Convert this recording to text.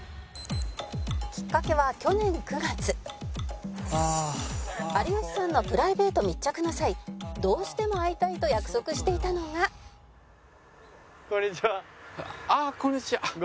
「きっかけは去年９月」「有吉さんのプライベート密着の際どうしても会いたいと約束していたのが」こんにちは。ああこんにちは。